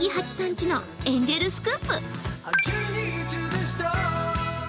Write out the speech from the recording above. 家のエンジェルスクープ。